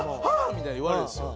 みたいに言われるんですよ。